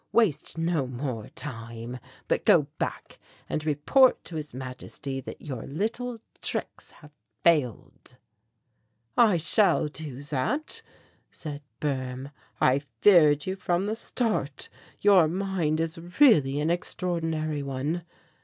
Waste no more time, but go back and report to His Majesty that your little tricks have failed." "I shall do that," said Boehm. "I feared you from the start; your mind is really an extraordinary one.